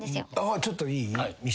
ちょっといい？